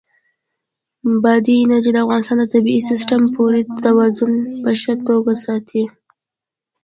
بادي انرژي د افغانستان د طبعي سیسټم پوره توازن په ښه توګه ساتي.